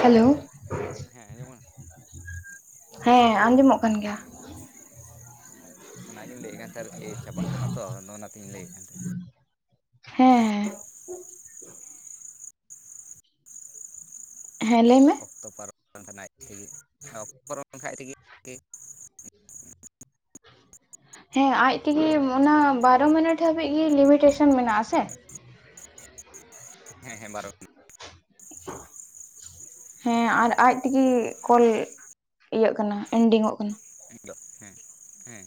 Hello ᱦᱮᱸ ᱟᱸᱡᱚᱢᱚᱜ ᱦᱮᱸ ᱟᱸᱡᱚ ᱢᱚᱜ ᱠᱟᱱ ᱜᱮᱭᱟ ᱚᱱᱟ ᱜᱮᱧ ᱞᱟᱹᱭ ᱮᱫ ᱠᱟᱱ ᱛᱟᱦᱮ ᱟᱨᱠᱤ ᱪᱟᱵᱟᱜ ᱠᱟᱱᱟ ᱛᱚ ᱟᱫᱚ ᱚᱱᱟ ᱛᱮᱧ ᱞᱟᱹᱭ ᱮᱫ ᱠᱟᱱᱟ ᱦᱮᱸ ᱦᱮᱸ ᱦᱮᱸ ᱞᱟᱹᱭ ᱢᱮ ᱚᱠᱛᱚ ᱯᱟᱨᱚᱢ [inaudible] ᱦᱮᱸ ᱟᱡ ᱛᱮᱜᱮ ᱚᱱᱟ ᱵᱟᱨᱚ ᱢᱤᱱᱤᱴ ᱦᱟᱹᱵᱤᱡ ᱜᱮ ᱞᱤᱢᱤ ᱴᱮᱥᱚᱱ ᱢᱮᱱᱟᱜᱟᱥᱮ ᱦᱮᱸ ᱦᱮᱸ ᱵᱟᱨᱚ ᱢᱤᱱᱤᱴ [unintelligible] ᱦᱮᱸ ᱟᱨ ᱟᱡ ᱛᱮᱜᱮ ᱠᱚᱞ ᱤᱭᱟᱹᱜ ᱠᱟᱱᱟ ᱮᱱᱰᱤᱝ ᱚᱜ ᱠᱟᱱᱟ᱾ ᱤᱧ ᱫᱚ ᱦᱮᱸ ᱦᱮᱸ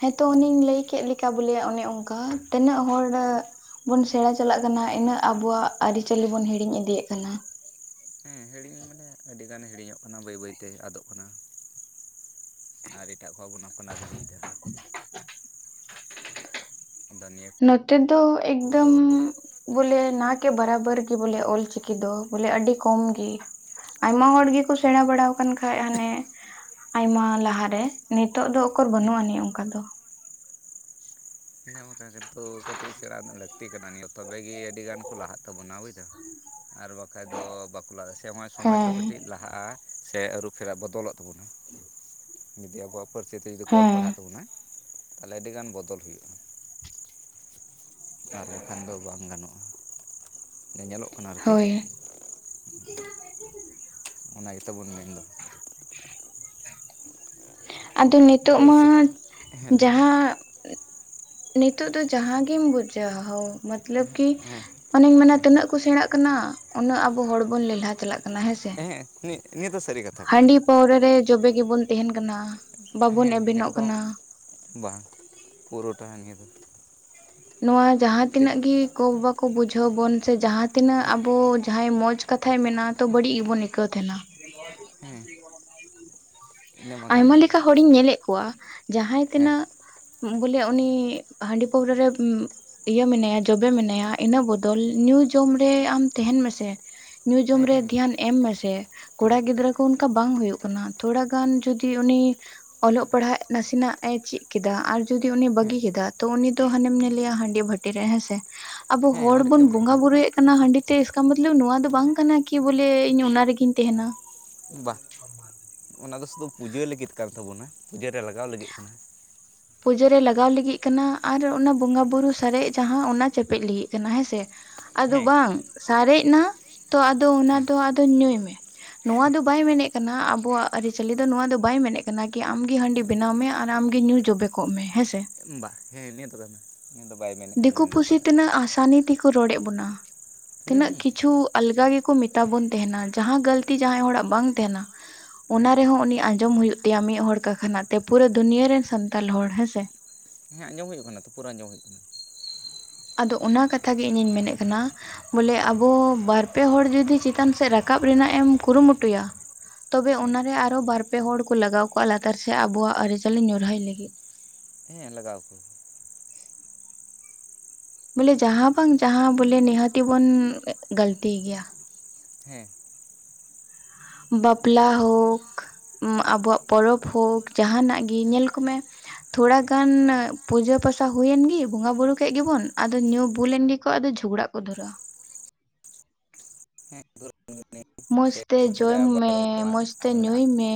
ᱦᱮᱸ ᱛᱚ ᱚᱱᱮᱧ ᱞᱟᱹᱭ ᱠᱮᱫ ᱞᱮᱠᱟ ᱵᱚᱞᱮ ᱚᱱᱮ ᱚᱱᱠᱟ ᱛᱤᱱᱟᱹᱜ ᱦᱚᱲ ᱨᱮ ᱵᱚᱱ ᱥᱮᱬᱟ ᱪᱟᱞᱟᱜ ᱠᱟᱱᱟ ᱤᱱᱟᱹᱜ ᱟᱵᱩᱣᱟᱜ ᱟᱹᱨᱤᱪᱟᱹᱞᱤ ᱵᱚᱱ ᱦᱤᱲᱤᱧ ᱤᱫᱤᱭᱮᱫ ᱠᱟᱱᱟ᱾ ᱦᱮᱸ ᱦᱤᱲᱤᱧ ᱢᱟᱱᱮ ᱟᱹᱰᱤᱜᱟᱱ ᱦᱤᱲᱤᱧᱚᱜ ᱠᱟᱱᱟ ᱵᱟᱹᱭ ᱵᱟᱹᱭᱛᱮ ᱟᱫᱚᱜ ᱠᱟᱱᱟ᱾ ᱟᱨ ᱮᱴᱟᱜ ᱠᱚᱣᱟᱜ ᱵᱚᱱ ᱟᱯᱱᱟᱨ ᱤᱫᱤᱭᱮᱫᱟ ᱾ [unintelligible] ᱟᱫᱚ ᱱᱤᱭᱟᱹ ᱱᱚᱛᱮ ᱫᱚ ᱮᱠᱫᱚᱢ ᱠᱚᱫᱚ ᱵᱚᱞᱮ ᱱᱟ ᱠᱮ ᱵᱟᱨᱵᱚᱨ ᱜᱮ ᱵᱚᱞᱮ ᱚᱞ ᱪᱤᱠᱤ ᱫᱚ ᱵᱚᱞᱮ ᱟᱹᱰᱤ ᱠᱚᱢ ᱜᱮ᱾ ᱟᱭᱢᱟ ᱦᱚᱲ ᱜᱮᱠᱚ ᱥᱮᱬᱟ ᱵᱟᱲᱟ ᱠᱟᱱ ᱠᱷᱟᱱ ᱦᱟᱱᱮ᱾ ᱟᱭᱢᱟ ᱞᱟᱦᱟᱨᱮ ᱱᱤᱛᱚᱜ ᱫᱚ ᱚᱠᱚᱨ ᱦᱩᱸ ᱵᱟᱹᱱᱩᱜ ᱟᱹᱱᱤᱡ ᱚᱱᱠᱟ ᱫᱚ᱾ ᱤᱱᱟᱹ ᱵᱟᱠᱟ ᱜᱮᱛᱚ ᱠᱟᱹᱴᱤᱡ ᱥᱮᱬᱟ ᱨᱮᱱᱟᱜ ᱞᱟᱹᱠᱛᱤ ᱠᱟᱱᱟ ᱛᱚᱵᱮᱜ ᱜᱮ ᱟᱹᱰᱤ ᱜᱟᱱ ᱠᱚ ᱞᱟᱦᱟᱜ ᱛᱟᱵᱚᱱᱟ ᱵᱩᱡᱫᱟᱢ ᱾ ᱟᱨ ᱵᱟᱠᱷᱟᱡ ᱫᱚ ᱵᱟᱠᱚ ᱞᱟᱦᱟᱜ ᱥᱮᱜ ᱥᱚᱢᱟᱡᱽ ᱦᱚ ᱦᱮᱸ ᱠᱟᱹᱴᱤᱡ ᱞᱟ ᱦᱟᱜᱟ ᱥᱮᱜ ᱟᱹᱨᱩᱯᱷᱮᱨᱟ ᱵᱚᱫᱚᱞᱚᱜ ᱛᱟᱵᱚᱱᱟ ᱡᱩᱫᱤ ᱟᱵᱚᱣᱟᱜ ᱯᱟᱹᱨ ᱥᱮᱛᱮᱧ ᱫᱚᱠᱚ ᱚᱞ ᱦᱮᱸ ᱯᱟᱲᱦᱟᱜ ᱛᱟᱵᱚᱱᱟ ᱛᱟᱦᱚᱞᱮ ᱟᱹᱰᱤ ᱜᱟᱱ ᱵᱚᱫᱚᱞ ᱦᱩᱭᱩᱜ ᱠᱟᱱᱟ᱾ ᱟᱨ ᱵᱟᱠᱷᱟᱱ ᱫᱚ ᱵᱟᱝ ᱜᱟᱱᱚᱜ-ᱟ ᱡᱟ ᱧᱮᱞᱚᱜ ᱠᱟᱱᱟ ᱟᱨᱠᱤ ᱦᱳᱭ ᱚᱱᱟ ᱜᱮᱛᱟᱵᱚᱱ ᱢᱮᱱᱫᱚ ᱾ ᱟᱫᱚ ᱱᱤᱛᱳᱜ ᱢᱟ ᱯᱟᱹᱨᱥᱤ ᱦᱮᱸ ᱞᱟᱹᱭ ᱢᱮ ᱡᱟᱸᱦᱟᱸ ᱱᱤᱛᱚᱜ ᱫᱚ ᱡᱟᱸᱦᱟᱸ ᱜᱤᱢ ᱵᱩᱡ ᱦᱳᱣ ᱢᱟᱛᱞᱚᱵ ᱠᱤ ᱦᱮᱸ ᱚᱱᱮᱧ ᱢᱮᱱᱟ ᱛᱤᱱᱟᱹᱜ ᱠᱚ ᱥᱮᱬᱟᱜ ᱠᱟᱱᱟ ᱩᱱᱟᱹᱜ ᱟᱵᱚ ᱦᱚᱲ ᱵᱚᱱ ᱞᱮᱞᱦᱟ ᱪᱟᱞᱟᱜ ᱠᱟᱱᱟ ᱦᱮᱸᱥᱮ᱾ ᱮᱦᱮᱜ ᱱᱤ ᱱᱤᱭᱟᱹ ᱫᱚ ᱥᱟᱹᱨᱤ ᱠᱟᱛᱷᱟ ᱠᱟᱱᱟ᱾ ᱦᱟᱺᱰᱤ ᱯᱟᱹᱣᱨᱟᱹ ᱨᱮ ᱡᱚᱵᱮ ᱜᱮᱵᱚᱱ ᱛᱟᱦᱮᱱ ᱠᱟᱱᱟ ᱵᱟᱵᱚᱱ ᱦᱮᱸ ᱮᱵᱮᱱᱚᱜ ᱮᱠᱫᱚᱢ ᱠᱟᱱᱟ ᱾ ᱵᱟᱝ ᱯᱩᱨᱟᱹᱴᱟ ᱱᱤᱭᱟᱹ ᱫᱚ ᱱᱚᱣᱟ ᱡᱟᱸᱦᱟᱸ ᱴᱷᱤᱠ ᱛᱤᱱᱟᱹᱜ ᱜ ᱜᱮ ᱠᱚ ᱵᱟᱠ ᱠᱚ ᱵᱩᱡᱷᱟᱹᱣ ᱵᱚᱱ ᱥᱮ ᱡᱟᱦᱟᱸ ᱛᱤᱱᱟᱹᱜ ᱦᱮᱸ ᱟᱵᱚ ᱡᱟᱸᱦᱟᱸᱭ ᱢᱚᱸᱡᱽ ᱠᱟᱛᱷᱟᱭ ᱢᱮᱱᱟ ᱛᱚ ᱵᱟᱹᱲᱤᱡ ᱜᱮᱵᱚᱱ ᱟᱹᱭᱠᱟᱹᱣ ᱛᱟᱸᱦᱮᱱᱟ᱾ ᱦᱮᱸ ᱤᱱᱟᱹ ᱢᱟ ᱠᱟᱱ ᱟᱭᱢᱟ ᱜᱮ ᱞᱮᱠᱟ ᱦᱚᱲᱤᱧ ᱧᱮᱞᱮᱫ ᱠᱚᱣᱟ ᱡᱟᱦᱟᱭ ᱦᱮᱸ ᱛᱤᱱᱟᱹᱜ ᱵᱚᱞᱮ ᱩᱱᱤ ᱦᱟᱺᱰᱤ ᱯᱟᱹᱣᱨᱟᱹ ᱨᱮ [unintelligible] ᱤᱭᱟᱹ ᱢᱮᱱᱟᱭᱟ ᱡᱚᱵᱮ ᱢᱮᱱᱟᱭᱟ ᱤᱱᱟᱹ ᱵᱚᱫᱚᱞ ᱧᱩ ᱡᱚᱢ ᱨᱮ ᱟᱢ ᱛᱟᱸᱦᱮᱱ ᱢᱮᱥᱮ ᱧᱩ ᱡᱚᱢ ᱦᱮᱸ ᱨᱮ ᱫᱷᱮᱭᱟᱱ ᱮᱢ ᱢᱮᱥᱮ ᱠᱚᱲᱟ ᱦᱮᱸ ᱜᱤᱫᱽᱨᱟᱹ ᱠᱚ ᱚᱱᱠᱟ ᱵᱟᱝ ᱦᱳᱭᱳᱜ ᱠᱟᱱᱟ ᱛᱷᱳᱲᱟ ᱜᱟᱱ ᱡᱚᱫᱤ ᱩᱱᱤ ᱚᱞᱚᱜ ᱯᱟᱲᱦᱟᱜ ᱱᱟᱥᱮᱱᱟᱜ ᱮ ᱪᱮᱫ ᱠᱮᱫᱟ ᱟᱨ ᱡᱩᱫᱤ ᱩᱱᱤ ᱦᱮᱸ ᱵᱟᱹᱜᱤ ᱠᱮᱫᱟ ᱛᱚ ᱩᱱᱤ ᱫᱚ ᱦᱟᱱᱮᱢ ᱧᱮᱞ ᱮᱭᱟ ᱦᱟᱸᱰᱤ ᱵᱷᱟᱹᱴᱤ ᱨᱮ ᱦᱮᱸᱥᱮ ᱟᱵᱚ ᱦᱮᱸ ᱦᱚᱲ ᱚᱸᱰᱮ ᱜᱮ ᱵᱚᱱ ᱢᱮᱱᱟᱭ ᱵᱚᱸᱜᱟ ᱠᱟᱫᱮᱭᱟ ᱵᱩᱨᱩᱭᱮᱫ ᱚᱱᱟ ᱦᱟᱺᱰᱤ ᱛᱮ ᱮᱥᱠᱟ ᱢᱚᱛᱞᱚᱵ ᱱᱚᱣᱟ ᱫᱚ ᱵᱟᱝ ᱠᱟᱱᱟ ᱠᱤ ᱵᱚᱞᱮ ᱤᱧ ᱚᱱᱟ ᱨᱮᱜᱤᱧ ᱛᱟᱸᱦᱮᱱᱟ᱾ ᱵᱟ ᱚᱱᱟ ᱫᱚ ᱥᱩᱫᱩ ᱯᱩᱡᱟᱹ ᱞᱟᱹᱜᱤᱫ ᱠᱟᱱ ᱛᱟᱵᱚᱱᱟ ᱯᱩᱡᱟᱹ ᱨᱮ ᱞᱟᱜᱟᱣ ᱞᱟᱹᱜᱤᱫ ᱠᱟᱱᱟ᱾ ᱯᱩᱡᱟᱹ ᱨᱮ ᱞᱟᱜᱟᱣ ᱞᱤᱜᱤᱜ ᱠᱟᱱᱟ ᱟᱨ ᱚᱱᱟ ᱵᱚᱸᱜᱟ ᱵᱩᱨᱩ ᱥᱟᱨᱮᱡ ᱡᱟᱦᱟᱸ ᱚᱱᱟ ᱪᱮᱯᱮᱜ ᱞᱤᱜᱤᱜ ᱠᱟᱱᱟ ᱦᱮᱸᱥᱮ᱾ ᱟᱫᱚ ᱦᱮᱸ ᱵᱟᱝ ᱥᱟᱨᱮᱡ ᱱᱟ ᱛᱚ ᱟᱫᱚ ᱚᱱᱟ ᱫᱚ ᱟᱫᱚ ᱧᱩᱭ ᱢᱮ᱾ ᱱᱚᱣᱟ ᱫᱚ ᱵᱟᱭ ᱢᱮᱱᱮᱫ ᱠᱟᱱᱟ ᱟᱵᱚᱣᱟᱜ ᱟᱹᱨᱤᱪᱟᱹᱞᱤ ᱫᱚ ᱱᱚᱣᱟ ᱫᱚ ᱵᱟᱭ ᱢᱮᱱᱮᱜ ᱠᱟᱱᱟ ᱠᱤ ᱟᱢᱜᱮ ᱦᱟᱺᱰᱤ ᱵᱮᱱᱟᱣ ᱢᱮ ᱟᱨ ᱟᱢᱜᱮ ᱧᱩ ᱡᱚᱵᱮ ᱠᱚᱜ ᱢᱮ ᱦᱮᱸ ᱥᱮ᱾ ᱵᱟ ᱦᱮᱸ ᱱᱤᱭᱟᱹ ᱫᱚ ᱵᱟᱝ᱾ ᱱᱤᱭᱟᱹ ᱫᱚ ᱵᱟᱭ ᱢᱮᱱ ᱫᱤᱠᱩ ᱯᱩᱥᱤ ᱛᱤᱱᱟᱹᱜ ᱟᱥᱟᱱᱤ ᱛᱮᱠᱚ ᱨᱚᱲᱮᱫ ᱵᱚᱱᱟ ᱛᱤᱱᱟᱹᱜ ᱦᱮᱸ ᱠᱤᱪᱷᱩ᱾ ᱟᱞᱜᱟ ᱜᱮᱠᱚ ᱢᱮᱛᱟ ᱵᱚᱱ ᱛᱟᱦᱮᱱᱟ ᱡᱟᱦᱟᱸ ᱜᱟᱹᱞᱛᱤ ᱡᱟᱦᱟᱸᱭ ᱦᱚᱲᱟᱜ ᱵᱟᱝ ᱛᱟᱸᱦᱮᱱᱟ ᱦᱮᱸ ᱚᱱᱟ ᱨᱮᱦᱚᱸ ᱩᱱᱤ ᱟᱸᱧ ᱡᱚᱢ ᱦᱩᱭᱩᱜ ᱛᱟᱭᱟ ᱢᱤᱫ ᱦᱚᱲ ᱠᱟ ᱠᱷᱟᱱᱟᱜ ᱛᱮ ᱯᱩᱨᱟᱹ ᱫᱩᱱᱤᱭᱟᱹ ᱨᱮᱱ ᱥᱟᱱᱛᱟᱞ ᱦᱚᱲ ᱦᱮᱸ ᱥᱮ᱾ ᱦᱮᱸ ᱟᱸᱡᱚᱢ ᱦᱩᱭᱩᱜ ᱠᱟᱱᱟ ᱛᱚ ᱯᱩᱨᱟᱹ ᱟᱸᱡᱚᱢ ᱦᱩᱭᱩᱜ ᱠᱟᱱᱟ᱾ ᱟᱫᱚ ᱚᱱᱟ ᱠᱟᱛᱷᱟ ᱜᱮ ᱤᱧ ᱢᱮᱱᱮᱫ ᱠᱟᱱᱟ᱾ ᱵᱚᱞᱮ ᱟᱵᱚ ᱵᱟᱨ ᱯᱮ ᱦᱚᱲ ᱡᱩᱫᱤ ᱪᱮᱛᱟᱱ ᱥᱮᱫ ᱨᱟᱠᱟᱵ ᱨᱮᱱᱟᱜ ᱮᱢ ᱠᱩᱨᱩᱢᱩᱴᱩᱭᱟ ᱛᱚᱵᱮ ᱦᱮᱸ ᱚᱱᱟᱨᱮ ᱟᱨᱚ ᱵᱟᱨ ᱯᱮ ᱦᱚᱲ ᱠᱚ ᱞᱟᱜᱟᱣ ᱠᱚᱜ ᱟ ᱞᱟᱛᱟᱨ ᱥᱮᱫ ᱟᱵᱚᱣᱟᱜ ᱟᱹᱨᱤᱪᱟᱹᱞᱤ ᱧᱩᱨᱦᱟᱹᱭ ᱞᱟᱹᱜᱤᱫ᱾ ᱦᱮᱸ ᱞᱟᱜᱟᱣ ᱠᱚ ᱵᱚᱞᱮ ᱡᱟᱦᱟᱸ ᱵᱟᱝ ᱡᱟᱦᱟᱸ ᱵᱚᱞᱮ ᱱᱤᱦᱟᱹᱛᱤ ᱵᱚᱱ ᱜᱟᱹᱞᱛᱤᱭ ᱜᱮᱭᱟ᱾ ᱦᱮᱸ ᱵᱟᱯᱞᱟ ᱦᱳᱠ ᱟᱵᱚᱣᱟᱜ ᱯᱚᱨᱚᱵᱽ ᱦᱳᱠ ᱡᱟᱦᱟᱱᱟᱜ ᱜᱮ ᱧᱮᱞ ᱠᱚᱢᱮ ᱛᱷᱳᱲᱟ ᱦᱮᱸ ᱜᱟᱱ ᱯᱩᱡᱟᱹ ᱯᱟᱥᱟ ᱦᱩᱭᱮᱱ ᱜᱮ ᱵᱚᱸᱜᱟ ᱵᱩᱨᱩ ᱠᱮᱜ ᱜᱮᱵᱚᱱ ᱟᱫᱚ ᱧᱩ ᱵᱩᱞ ᱮᱱ ᱜᱮᱠᱚ ᱟᱫᱚ ᱡᱷᱩᱜᱨᱟᱜᱽ ᱠᱩᱫᱩᱨᱟᱹ ᱦᱮᱸ ᱢᱚᱸᱡᱽ ᱛᱮ ᱠᱷᱟᱹᱯᱟᱹᱨᱤ ᱡᱚᱢ ᱟᱵᱟᱨ ᱢᱮ ᱚᱱᱟ ᱢᱚᱡᱽ ᱛᱮ ᱢᱮᱱᱟᱜᱼᱟ ᱧᱩᱭ ᱢᱮ